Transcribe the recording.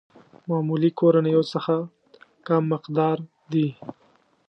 معمولي کورنيو څخه کم مقدار دي.